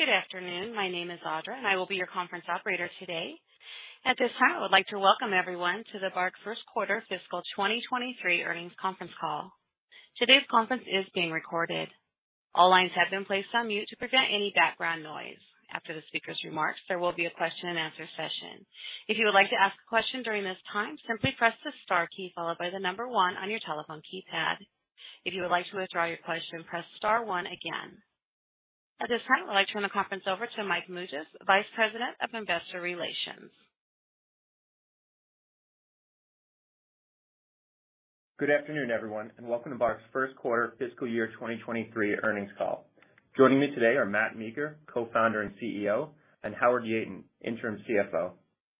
Good afternoon. My name is Audra, and I will be your conference operator today. At this time, I would like to welcome everyone to BARK's first quarter fiscal 2023 earnings conference call. Today's conference is being recorded. All lines have been placed on mute to prevent any background noise. After the speaker's remarks, there will be a question and answer session. If you would like to ask a question during this time, simply press the star key followed by the number one on your telephone keypad. If you would like to withdraw your question, press star one again. At this time, I'd like to turn the conference over to Mike Mougias, Vice President of Investor Relations. Good afternoon, everyone, and welcome to BARK's first quarter fiscal year 2023 earnings call. Joining me today are Matt Meeker, Co-Founder and CEO, and Howard Yeaton, Interim CFO.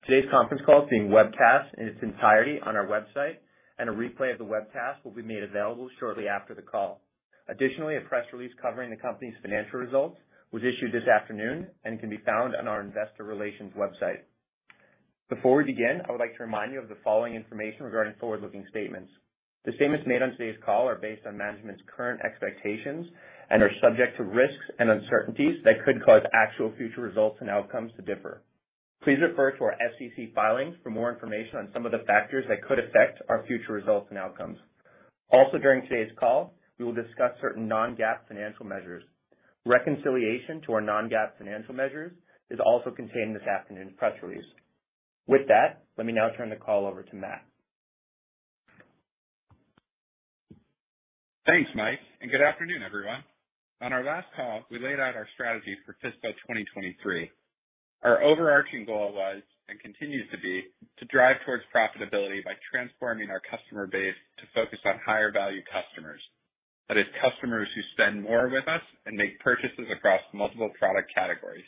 Today's conference call is being webcast in its entirety on our website, and a replay of the webcast will be made available shortly after the call. Additionally, a press release covering the company's financial results was issued this afternoon and can be found on our investor relations website. Before we begin, I would like to remind you of the following information regarding forward-looking statements. The statements made on today's call are based on management's current expectations and are subject to risks and uncertainties that could cause actual future results and outcomes to differ. Please refer to our SEC filings for more information on some of the factors that could affect our future results and outcomes. Also, during today's call, we will discuss certain non-GAAP financial measures. Reconciliation to our non-GAAP financial measures is also contained in this afternoon's press release. With that, let me now turn the call over to Matt. Thanks, Mike, and good afternoon, everyone. On our last call, we laid out our strategy for fiscal 2023. Our overarching goal was and continues to be to drive towards profitability by transforming our customer base to focus on higher value customers, that is, customers who spend more with us and make purchases across multiple product categories.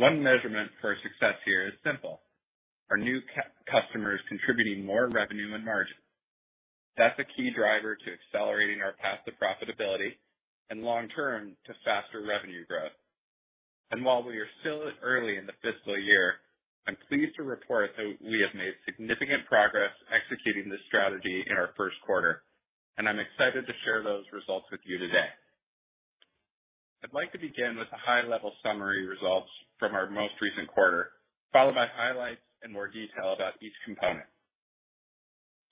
One measurement for success here is simple: Are new customers contributing more revenue and margin? That's a key driver to accelerating our path to profitability and long term to faster revenue growth. While we are still early in the fiscal year, I'm pleased to report that we have made significant progress executing this strategy in our first quarter, and I'm excited to share those results with you today. I'd like to begin with the high level summary results from our most recent quarter, followed by highlights in more detail about each component.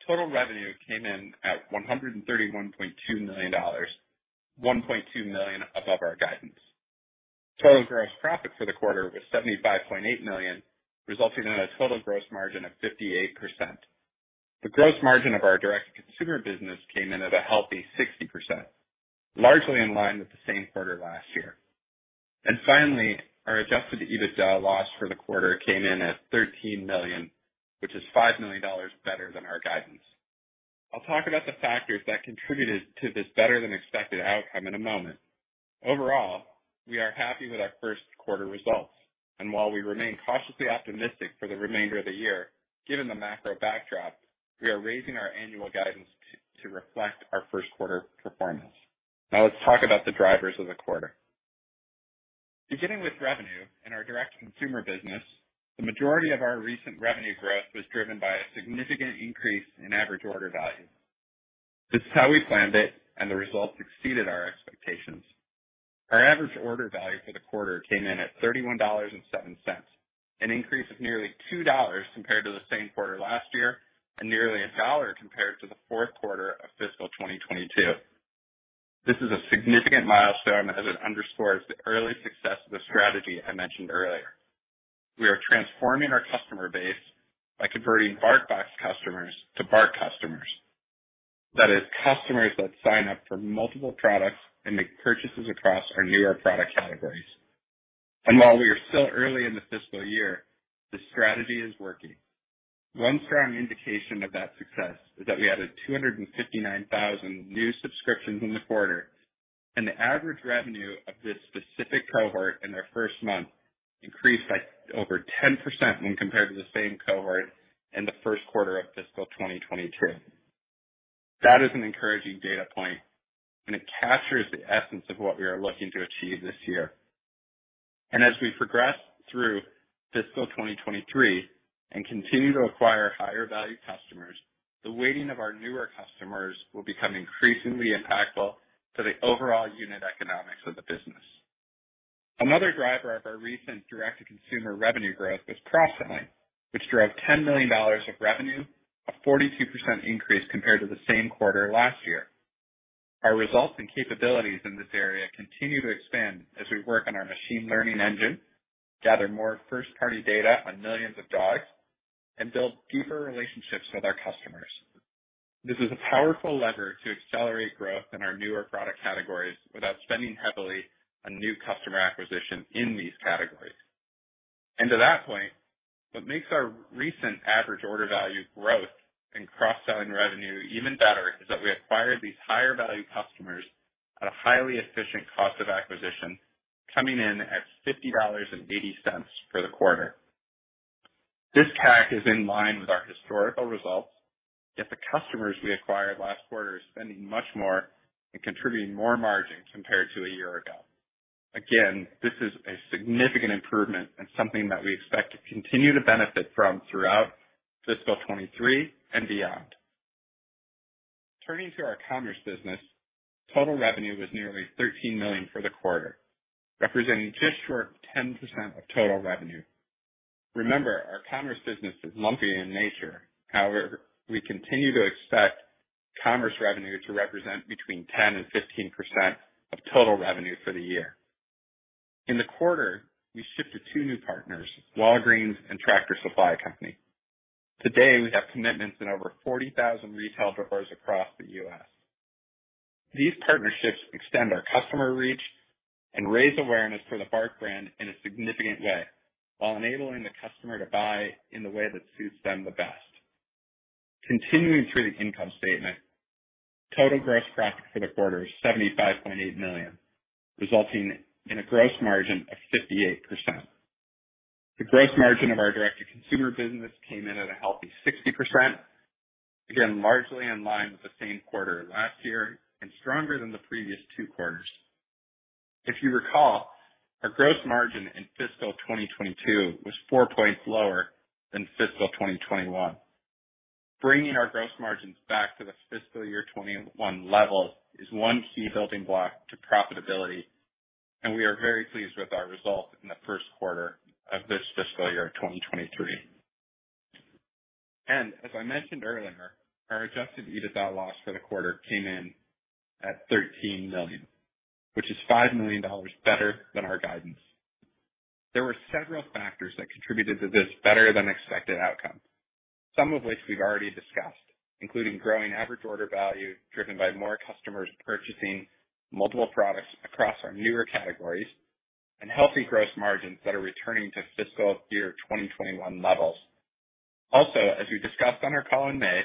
Total revenue came in at $131.2 million, $1.2 million above our guidance. Total gross profit for the quarter was $75.8 million, resulting in a total gross margin of 58%. The gross margin of our direct consumer business came in at a healthy 60%, largely in line with the same quarter last year. Finally, our adjusted EBITDA loss for the quarter came in at $13 million, which is $5 million better than our guidance. I'll talk about the factors that contributed to this better than expected outcome in a moment. Overall, we are happy with our first quarter results, and while we remain cautiously optimistic for the remainder of the year, given the macro backdrop, we are raising our annual guidance to reflect our first quarter performance. Now let's talk about the drivers of the quarter. Beginning with revenue in our direct consumer business, the majority of our recent revenue growth was driven by a significant increase in average order value. This is how we planned it, and the results exceeded our expectations. Our average order value for the quarter came in at $31.07, an increase of nearly $2 compared to the same quarter last year, and nearly $1 compared to the fourth quarter of fiscal 2022. This is a significant milestone as it underscores the early success of the strategy I mentioned earlier. We are transforming our customer base by converting BarkBox customers to BARK customers. That is, customers that sign up for multiple products and make purchases across our newer product categories. While we are still early in the fiscal year, the strategy is working. One strong indication of that success is that we added 259,000 new subscriptions in the quarter, and the average revenue of this specific cohort in their first month increased by over 10% when compared to the same cohort in the first quarter of fiscal 2022. That is an encouraging data point, and it captures the essence of what we are looking to achieve this year. As we progress through fiscal 2023 and continue to acquire higher value customers, the weighting of our newer customers will become increasingly impactful to the overall unit economics of the business. Another driver of our recent direct-to-consumer revenue growth is cross selling, which drove $10 million of revenue, a 42% increase compared to the same quarter last year. Our results and capabilities in this area continue to expand as we work on our machine learning engine, gather more first-party data on millions of dogs, and build deeper relationships with our customers. This is a powerful lever to accelerate growth in our newer product categories without spending heavily on new customer acquisition in these categories. To that point, what makes our recent average order value growth and cross-selling revenue even better is that we acquired these higher value customers at a highly efficient cost of acquisition, coming in at $50.80 for the quarter. This CAC is in line with our historical results, yet the customers we acquired last quarter are spending much more and contributing more margin compared to a year ago. Again, this is a significant improvement and something that we expect to continue to benefit from throughout fiscal 2023 and beyond. Turning to our commerce business, total revenue was nearly $13 million for the quarter, representing just short of 10% of total revenue. Remember, our commerce business is lumpy in nature. However, we continue to expect commerce revenue to represent between 10% and 15% of total revenue for the year. In the quarter, we shipped to two new partners, Walgreens and Tractor Supply Company. Today, we have commitments in over 40,000 retail doors across the U.S. These partnerships extend our customer reach and raise awareness for the BARK brand in a significant way, while enabling the customer to buy in the way that suits them the best. Continuing through the income statement, total gross profit for the quarter is $75.8 million, resulting in a gross margin of 58%. The gross margin of our direct-to-consumer business came in at a healthy 60%. Again, largely in line with the same quarter last year and stronger than the previous two quarters. If you recall, our gross margin in fiscal 2022 was four points lower than fiscal 2021. Bringing our gross margins back to the fiscal year 2021 level is one key building block to profitability, and we are very pleased with our results in the first quarter of this fiscal year, 2023. As I mentioned earlier, our adjusted EBITDA loss for the quarter came in at $13 million, which is $5 million better than our guidance. There were several factors that contributed to this better than expected outcome, some of which we've already discussed, including growing average order value driven by more customers purchasing multiple products across our newer categories and healthy gross margins that are returning to fiscal year 2021 levels. Also, as we discussed on our call in May,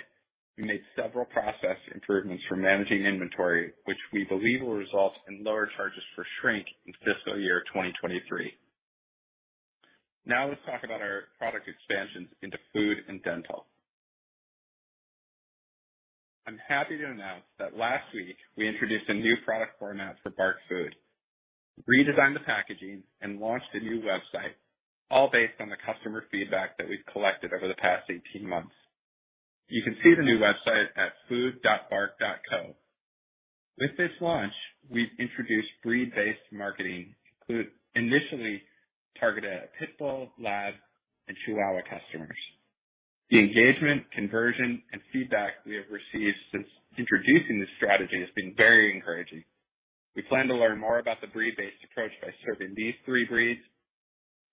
we made several process improvements for managing inventory, which we believe will result in lower charges for shrink in fiscal year 2023. Now let's talk about our product expansions into food and dental. I'm happy to announce that last week we introduced a new product format for BARK Food, redesigned the packaging and launched a new website, all based on the customer feedback that we've collected over the past 18 months. You can see the new website at food.BARK.co. With this launch, we've introduced breed-based marketing to initially target a Pit Bull, Lab, and Chihuahua customers. The engagement, conversion, and feedback we have received since introducing this strategy has been very encouraging. We plan to learn more about the breed-based approach by serving these three breeds,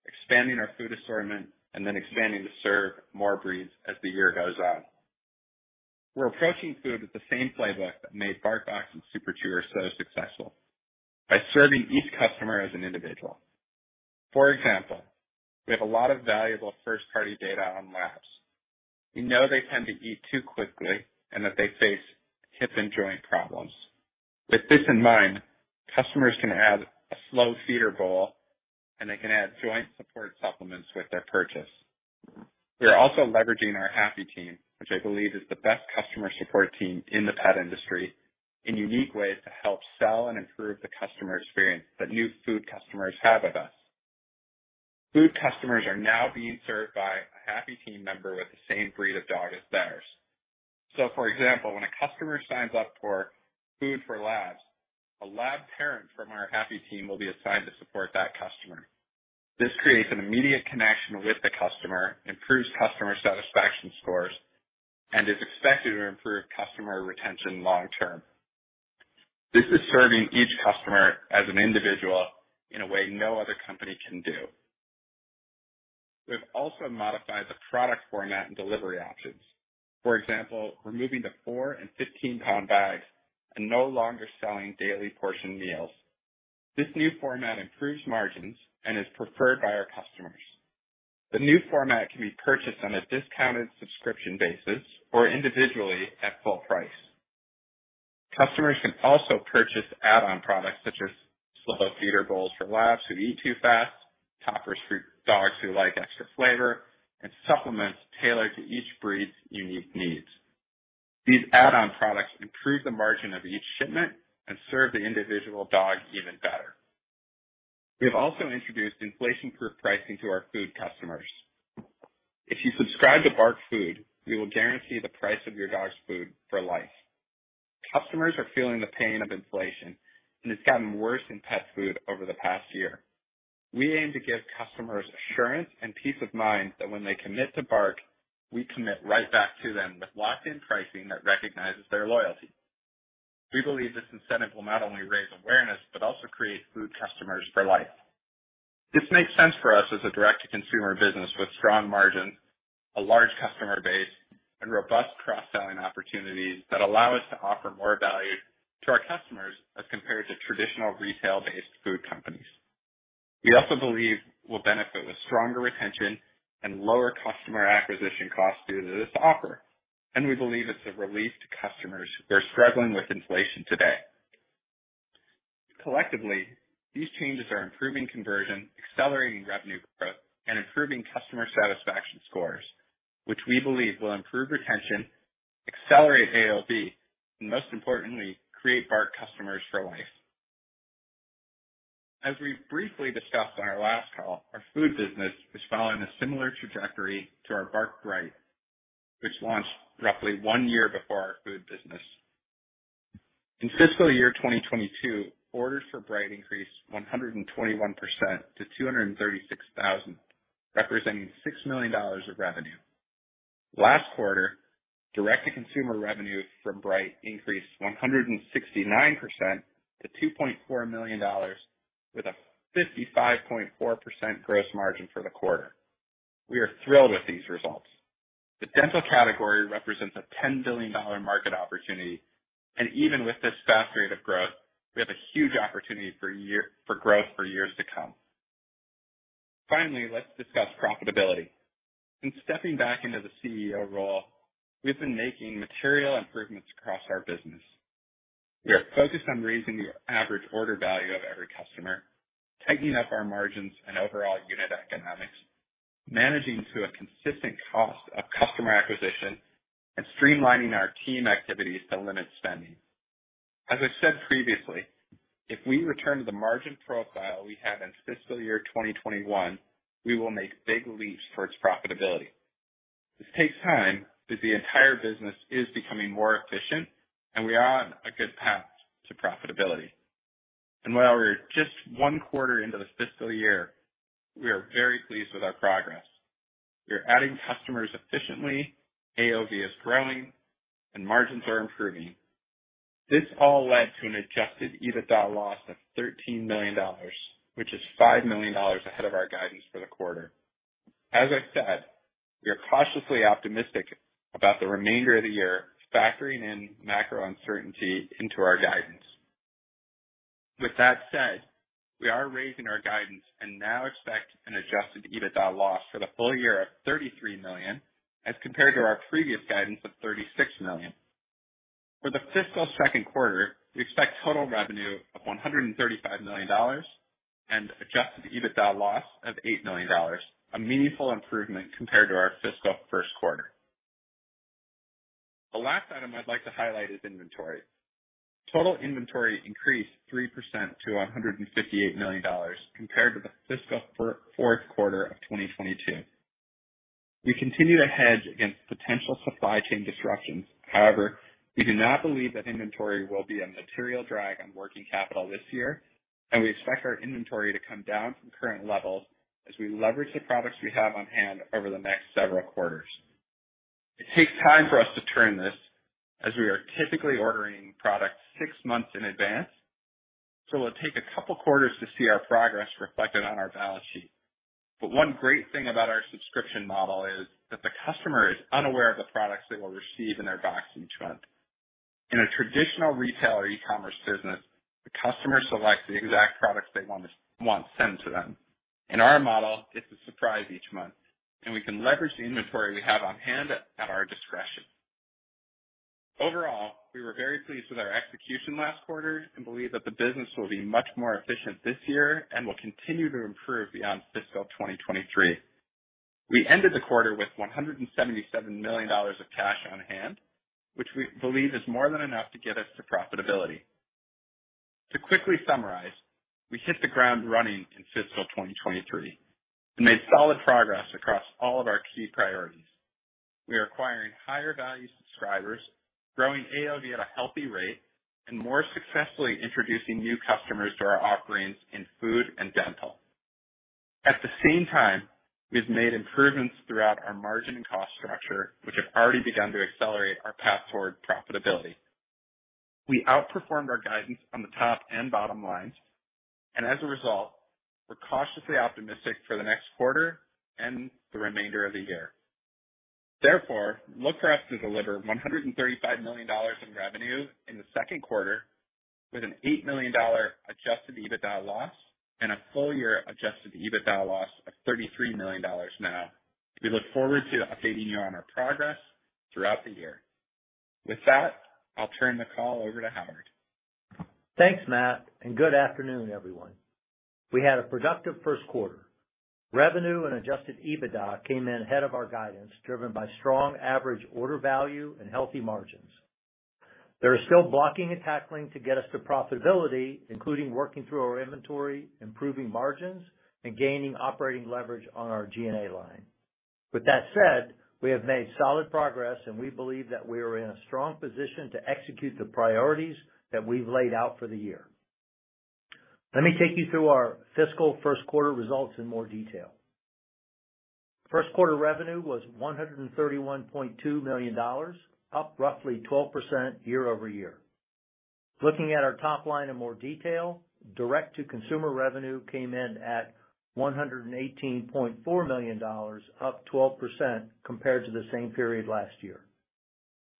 expanding our food assortment, and then expanding to serve more breeds as the year goes on. We're approaching food with the same playbook that made BarkBox and Super Chewer so successful by serving each customer as an individual. For example, we have a lot of valuable first-party data on Labs. We know they tend to eat too quickly and that they face hip and joint problems. With this in mind, customers can add a slow feeder bowl and they can add joint support supplements with their purchase. We are also leveraging our Happy Team, which I believe is the best customer support team in the pet industry, in unique ways to help sell and improve the customer experience that new food customers have with us. Food customers are now being served by a Happy Team member with the same breed of dog as theirs. For example, when a customer signs up for food for Labs, a Lab parent from our Happy Team will be assigned to support that customer. This creates an immediate connection with the customer, improves customer satisfaction scores, and is expected to improve customer retention long term. This is serving each customer as an individual in a way no other company can do. We've also modified the product format and delivery options. For example, removing the four and 15-pound bags and no longer selling daily portion meals. This new format improves margins and is preferred by our customers. The new format can be purchased on a discounted subscription basis or individually at full price. Customers can also purchase add-on products such as slow feeder bowls for Labs who eat too fast, toppers for dogs who like extra flavor, and supplements tailored to each breed's unique needs. These add-on products improve the margin of each shipment and serve the individual dog even better. We have also introduced inflation-proof pricing to our food customers. If you subscribe to BARK Food, we will guarantee the price of your dog's food for life. Customers are feeling the pain of inflation, and it's gotten worse in pet food over the past year. We aim to give customers assurance and peace of mind that when they commit to BARK, we commit right back to them with locked-in pricing that recognizes their loyalty. We believe this incentive will not only raise awareness, but also create food customers for life. This makes sense for us as a direct-to-consumer business with strong margins, a large customer base, and robust cross-selling opportunities that allow us to offer more value to our customers as compared to traditional retail-based food companies. We also believe we'll benefit with stronger retention and lower customer acquisition costs due to this offer, and we believe it's a relief to customers who are struggling with inflation today. Collectively, these changes are improving conversion, accelerating revenue growth, and improving customer satisfaction scores, which we believe will improve retention, accelerate AOV, and most importantly, create BARK customers for life. As we briefly discussed on our last call, our food business is following a similar trajectory to our BARK Bright, which launched roughly one year before our food business. In fiscal year 2022, orders for BARK Bright increased 121% to 236,000, representing $6 million of revenue. Last quarter, direct-to-consumer revenue from BARK Bright increased 169% to $2.4 million with a 55.4% gross margin for the quarter. We are thrilled with these results. The dental category represents a $10 billion market opportunity, and even with this fast rate of growth, we have a huge opportunity for years, for growth for years to come. Finally, let's discuss profitability. In stepping back into the CEO role, we've been making material improvements across our business. We are focused on raising the average order value of every customer, tightening up our margins and overall unit economics, managing to a consistent cost of customer acquisition, and streamlining our team activities to limit spending. As I said previously, if we return to the margin profile we had in fiscal year 2021, we will make big leaps towards profitability. This takes time, but the entire business is becoming more efficient and we are on a good path to profitability. While we're just one quarter into the fiscal year, we are very pleased with our progress. We are adding customers efficiently, AOV is growing, and margins are improving. This all led to an adjusted EBITDA loss of $13 million, which is $5 million ahead of our guidance for the quarter. As I said, we are cautiously optimistic about the remainder of the year, factoring in macro uncertainty into our guidance. With that said, we are raising our guidance and now expect an adjusted EBITDA loss for the full year of $33 million, as compared to our previous guidance of $36 million. For the fiscal second quarter, we expect total revenue of $135 million and adjusted EBITDA loss of $8 million, a meaningful improvement compared to our fiscal first quarter. The last item I'd like to highlight is inventory. Total inventory increased 3% to $158 million compared with the fiscal fourth quarter of 2022. We continue to hedge against potential supply chain disruptions. However, we do not believe that inventory will be a material drag on working capital this year, and we expect our inventory to come down from current levels as we leverage the products we have on hand over the next several quarters. It takes time for us to turn this, as we are typically ordering products six months in advance, so it'll take a couple quarters to see our progress reflected on our balance sheet. One great thing about our subscription model is that the customer is unaware of the products they will receive in their box each month. In a traditional retail or e-commerce business, the customer selects the exact products they want sent to them. In our model, it's a surprise each month, and we can leverage the inventory we have on hand at our discretion. Overall, we were very pleased with our execution last quarter and believe that the business will be much more efficient this year and will continue to improve beyond fiscal 2023. We ended the quarter with $177 million of cash on hand, which we believe is more than enough to get us to profitability. To quickly summarize, we hit the ground running in fiscal 2023 and made solid progress across all of our key priorities. We are acquiring higher value subscribers, growing AOV at a healthy rate, and more successfully introducing new customers to our offerings in food and dental. At the same time, we have made improvements throughout our margin and cost structure, which have already begun to accelerate our path toward profitability. We outperformed our guidance on the top and bottom line, and as a result, we're cautiously optimistic for the next quarter and the remainder of the year. Therefore, look for us to deliver $135 million in revenue in the second quarter with an $8 million adjusted EBITDA loss and a full year adjusted EBITDA loss of $33 million now. We look forward to updating you on our progress throughout the year. With that, I'll turn the call over to Howard. Thanks, Matt, and good afternoon, everyone. We had a productive first quarter. Revenue and adjusted EBITDA came in ahead of our guidance, driven by strong average order value and healthy margins. There is still blocking and tackling to get us to profitability, including working through our inventory, improving margins, and gaining operating leverage on our G&A line. With that said, we have made solid progress, and we believe that we are in a strong position to execute the priorities that we've laid out for the year. Let me take you through our fiscal first quarter results in more detail. First quarter revenue was $131.2 million, up roughly 12% year-over-year. Looking at our top line in more detail, Direct-to-Consumer revenue came in at $118.4 million, up 12% compared to the same period last year.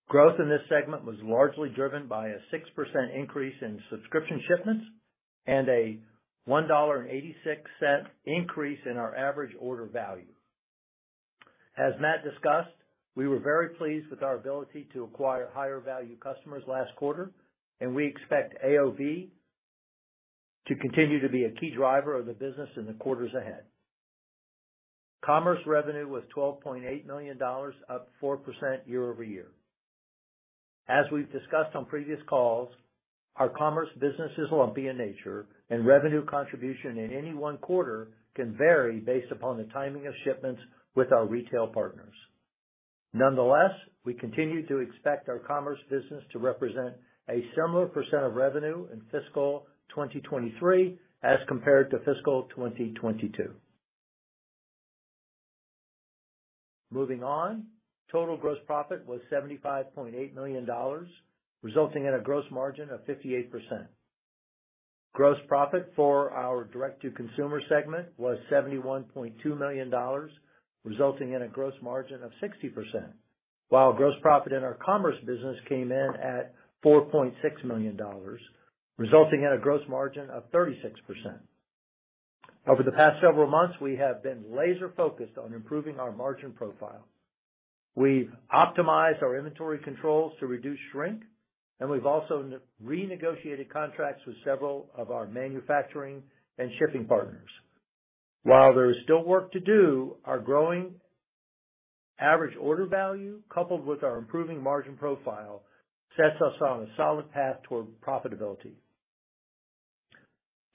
Growth in this segment was largely driven by a 6% increase in subscription shipments and a $1.86 increase in our average order value. As Matt discussed, we were very pleased with our ability to acquire higher value customers last quarter, and we expect AOV to continue to be a key driver of the business in the quarters ahead. Commerce revenue was $12.8 million, up 4% year-over-year. As we've discussed on previous calls, our commerce business is lumpy in nature, and revenue contribution in any one quarter can vary based upon the timing of shipments with our retail partners. Nonetheless, we continue to expect our commerce business to represent a similar percent of revenue in fiscal 2023 as compared to fiscal 2022. Moving on, total gross profit was $75.8 million, resulting in a gross margin of 58%. Gross profit for our direct-to-consumer segment was $71.2 million, resulting in a gross margin of 60%, while gross profit in our commerce business came in at $4.6 million, resulting in a gross margin of 36%. Over the past several months, we have been laser-focused on improving our margin profile. We've optimized our inventory controls to reduce shrink, and we've also renegotiated contracts with several of our manufacturing and shipping partners. While there's still work to do, our growing average order value, coupled with our improving margin profile, sets us on a solid path toward profitability.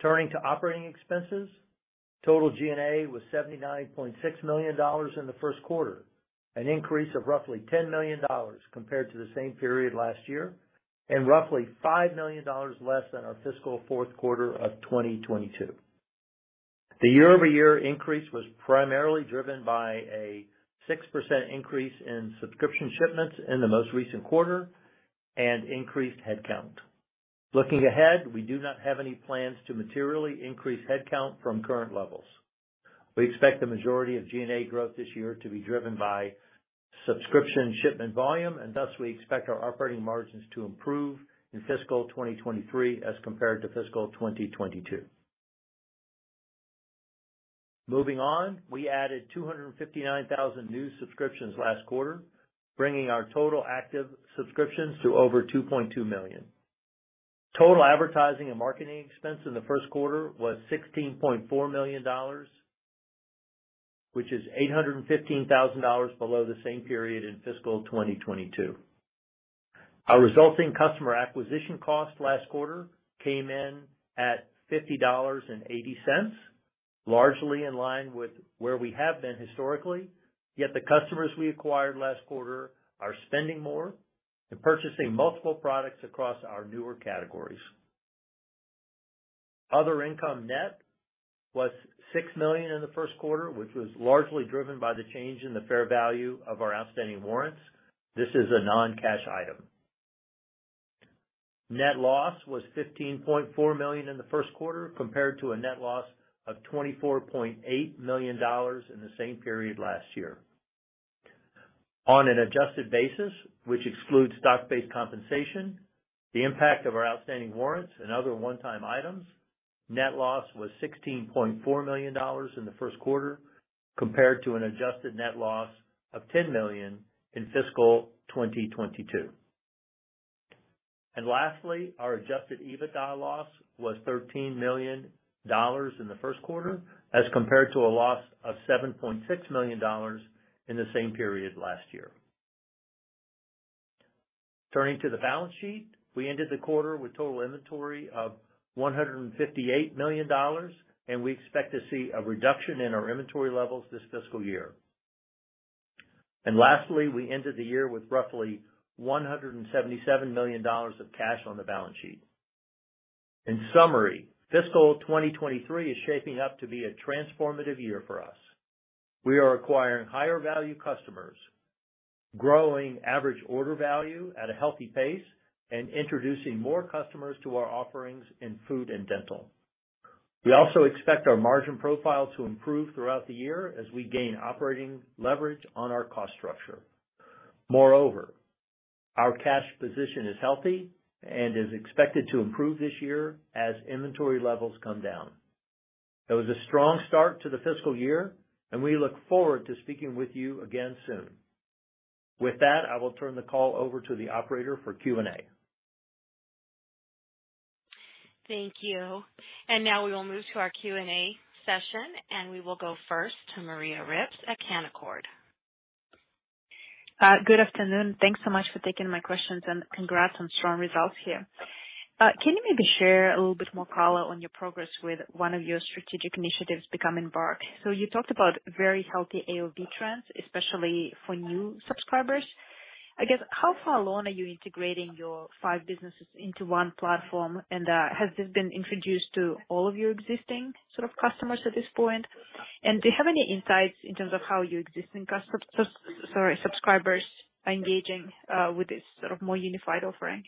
Turning to operating expenses, total G&A was $79.6 million in the first quarter, an increase of roughly $10 million compared to the same period last year, and roughly $5 million less than our fiscal fourth quarter of 2022. The year-over-year increase was primarily driven by a 6% increase in subscription shipments in the most recent quarter and increased headcount. Looking ahead, we do not have any plans to materially increase headcount from current levels. We expect the majority of G&A growth this year to be driven by subscription shipment volume, and thus we expect our operating margins to improve in fiscal 2023 as compared to fiscal 2022. Moving on, we added 259,000 new subscriptions last quarter, bringing our total active subscriptions to over 2.2 million. Total advertising and marketing expense in the first quarter was $16.4 million, which is $815,000 below the same period in fiscal 2022. Our resulting customer acquisition cost last quarter came in at $50.80, largely in line with where we have been historically, yet the customers we acquired last quarter are spending more and purchasing multiple products across our newer categories. Other income net was $6 million in the first quarter, which was largely driven by the change in the fair value of our outstanding warrants. This is a non-cash item. Net loss was $15.4 million in the first quarter, compared to a net loss of $24.8 million in the same period last year. On an adjusted basis, which excludes stock-based compensation, the impact of our outstanding warrants and other one-time items, net loss was $16.4 million in the first quarter, compared to an adjusted net loss of $10 million in fiscal 2022. Lastly, our adjusted EBITDA loss was $13 million in the first quarter, as compared to a loss of $7.6 million in the same period last year. Turning to the balance sheet, we ended the quarter with total inventory of $158 million, and we expect to see a reduction in our inventory levels this fiscal year. Lastly, we ended the year with roughly $177 million of cash on the balance sheet. In summary, fiscal 2023 is shaping up to be a transformative year for us. We are acquiring higher value customers, growing average order value at a healthy pace, and introducing more customers to our offerings in food and dental. We also expect our margin profile to improve throughout the year as we gain operating leverage on our cost structure. Moreover, our cash position is healthy and is expected to improve this year as inventory levels come down. It was a strong start to the fiscal year, and we look forward to speaking with you again soon. With that, I will turn the call over to the operator for Q&A. Thank you. Now we will move to our Q&A session, and we will go first to Maria Ripps at Canaccord. Good afternoon. Thanks so much for taking my questions, and congrats on strong results here. Can you maybe share a little bit more color on your progress with one of your strategic initiatives becoming BARK? You talked about very healthy AOV trends, especially for new subscribers. I guess, how far along are you integrating your five businesses into one platform? Has this been introduced to all of your existing sort of customers at this point? Do you have any insights in terms of how your existing subscribers are engaging with this sort of more unified offering?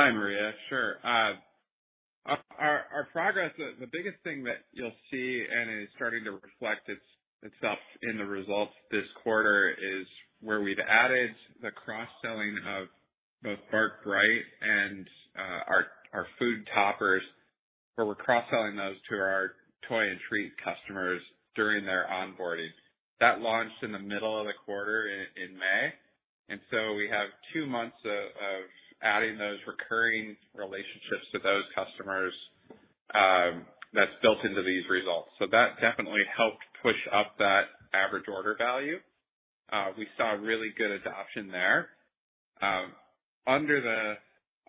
Hi, Maria. Sure. Our progress, the biggest thing that you'll see and is starting to reflect itself in the results this quarter is where we've added the cross-selling of both BARK Bright and our food toppers, where we're cross-selling those to our toy and treat customers during their onboarding. That launched in the middle of the quarter in May. We have two months of adding those recurring relationships to those customers, that's built into these results. That definitely helped push up that average order value. We saw really good adoption there. Under the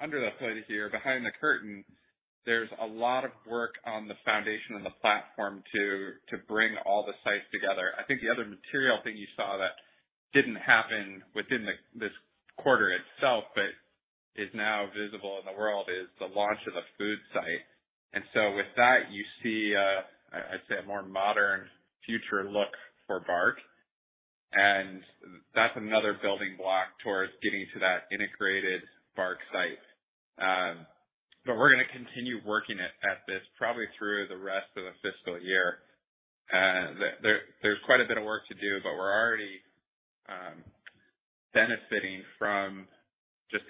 hood here, behind the curtain, there's a lot of work on the foundation and the platform to bring all the sites together. I think the other material thing you saw that didn't happen within this quarter itself, but is now visible in the world, is the launch of the food site. With that, you see, I'd say a more modern future look for BARK. That's another building block towards getting to that integrated BARK site. We're gonna continue working at this probably through the rest of the fiscal year. There's quite a bit of work to do, but we're already benefiting from just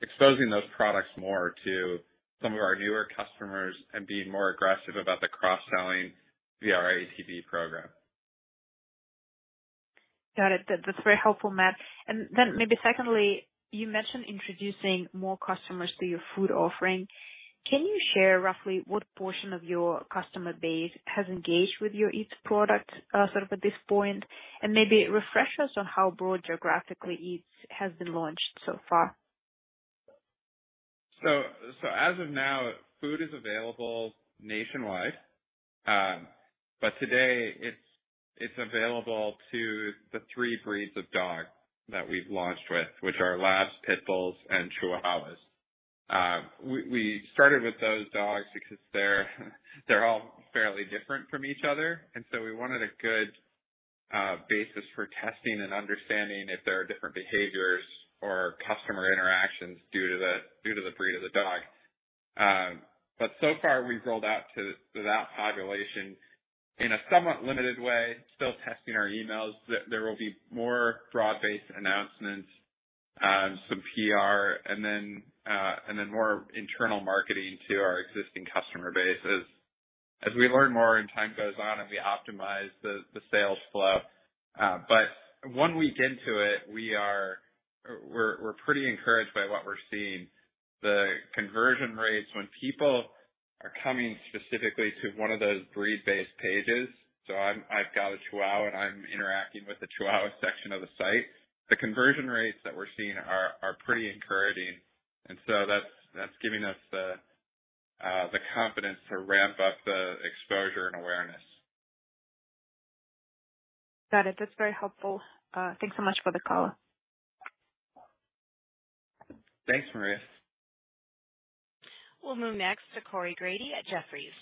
exposing those products more to some of our newer customers and being more aggressive about the cross-selling via our ATB program. Got it. That's very helpful, Matt. Maybe secondly, you mentioned introducing more customers to your food offering. Can you share roughly what portion of your customer base has engaged with your Eats product, sort of at this point? Maybe refresh us on how broad geographically Eats has been launched so far. As of now, food is available nationwide. Today it's available to the three breeds of dog that we've launched with, which are Labs, Pit Bulls and Chihuahuas. We started with those dogs because they're all fairly different from each other, and so we wanted a good basis for testing and understanding if there are different behaviors or customer interactions due to the breed of the dog. So far, we've rolled out to that population in a somewhat limited way, still testing our emails. There will be more broad-based announcements, some PR and then more internal marketing to our existing customer base as we learn more and time goes on and we optimize the sales flow. One week into it, we are. We're pretty encouraged by what we're seeing. The conversion rates when people are coming specifically to one of those breed-based pages, so I've got a Chihuahua and I'm interacting with the Chihuahua section of the site, the conversion rates that we're seeing are pretty encouraging. That's giving us the confidence to ramp up the exposure and awareness. Got it. That's very helpful. Thanks so much for the call. Thanks, Maria. We'll move next to Corey Grady at Jefferies.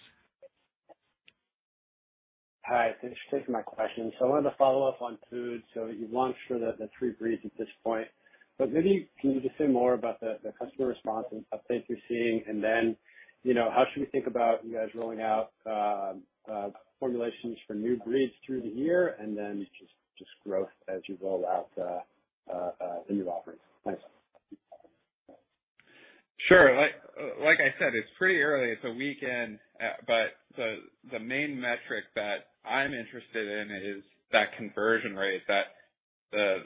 Hi, thanks for taking my question. I wanted to follow up on food. You've launched for the three breeds at this point, but maybe can you just say more about the customer response and updates you're seeing? You know, how should we think about you guys rolling out formulations for new breeds through the year and then just growth as you roll out the new offerings? Thanks. Sure. Like I said, it's pretty early. It's a week in. But the main metric that I'm interested in is that conversion rate, that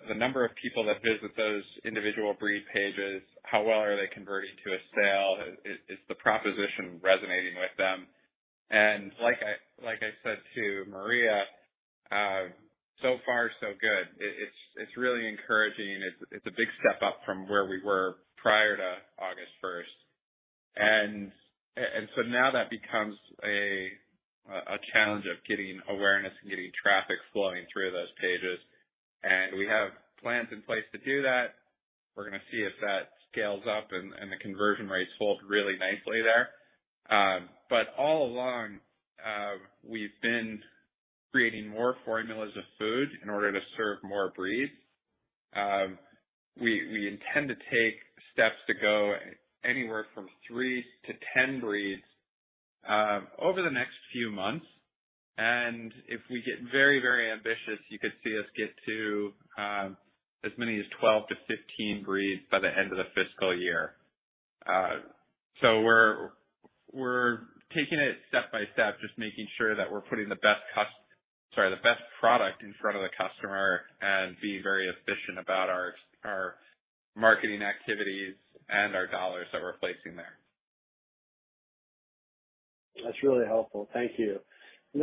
the number of people that visit those individual breed pages, how well are they converting to a sale? Is the proposition resonating with them? Like I said to Maria, so far so good. It's really encouraging and it's a big step up from where we were prior to August first. Now that becomes a challenge of getting awareness and getting traffic flowing through those pages. We have plans in place to do that. We're gonna see if that scales up and the conversion rates hold really nicely there. All along, we've been creating more formulas of food in order to serve more breeds. We intend to take steps to go anywhere from three to 10 breeds over the next few months. If we get very, very ambitious, you could see us get to as many as 12-15 breeds by the end of the fiscal year. We're taking it step by step, just making sure that we're putting the best product in front of the customer and being very efficient about our marketing activities and our dollars that we're placing there. That's really helpful. Thank you.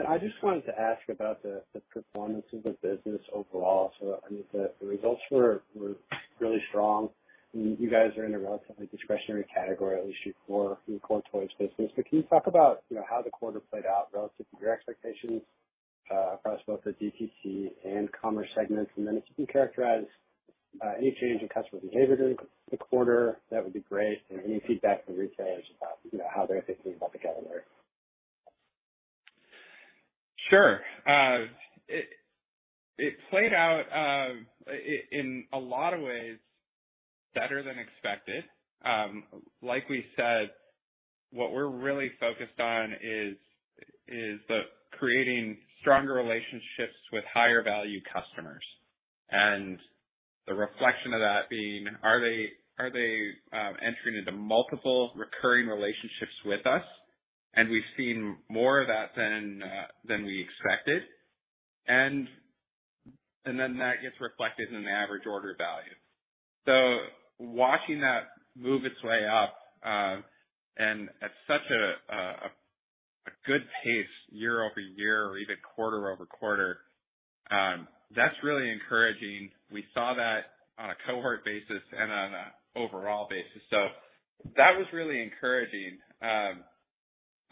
I just wanted to ask about the performance of the business overall. I mean, the results were really strong. You guys are in a relatively discretionary category, at least for the core toys business. Can you talk about, you know, how the quarter played out relative to your expectations, across both the DTC and commerce segments? Then if you can characterize any change in customer behavior during the quarter, that would be great. Any feedback from retailers about, you know, how they're thinking about the calendar. Sure. It played out in a lot of ways better than expected. Like we said, what we're really focused on is creating stronger relationships with higher value customers. The reflection of that being, are they entering into multiple recurring relationships with us? We've seen more of that than we expected. That gets reflected in the average order value. Watching that move its way up and at such a good pace year-over-year or even quarter-over-quarter, that's really encouraging. We saw that on a cohort basis and on an overall basis. That was really encouraging.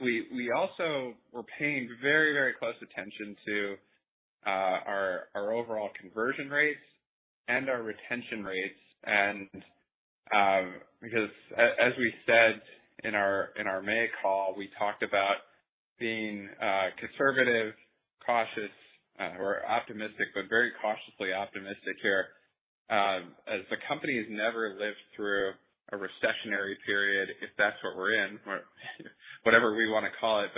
We also were paying very close attention to our overall conversion rates and our retention rates. Because as we said in our May call, we talked about being conservative, cautious, or optimistic, but very cautiously optimistic here, as the company has never lived through a recessionary period, if that's what we're in or whatever we wanna call it.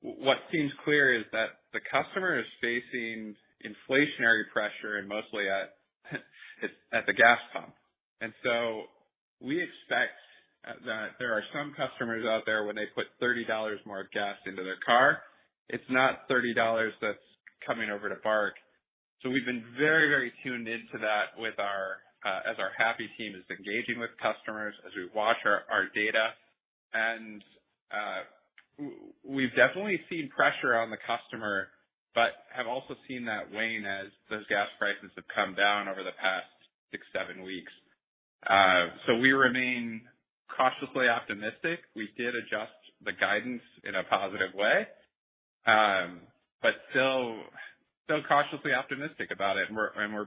What seems clear is that the customer is facing inflationary pressure and mostly at the gas pump. We expect that there are some customers out there when they put $30 more of gas into their car, it's not $30 that's coming over to BARK. We've been very, very tuned into that with our, as our Happy Team is engaging with customers, as we watch our data. We've definitely seen pressure on the customer, but have also seen that wane as those gas prices have come down over the past six, seven weeks. We remain cautiously optimistic. We did adjust the guidance in a positive way, but still cautiously optimistic about it. We're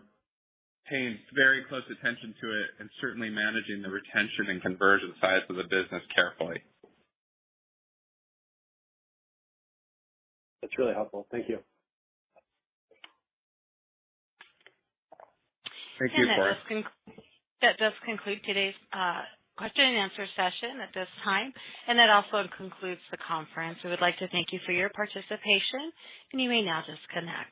paying very close attention to it and certainly managing the retention and conversion sides of the business carefully. That's really helpful. Thank you. Thank you, Corey. That does conclude today's question and answer session at this time, and that also concludes the conference. We would like to thank you for your participation, and you may now disconnect.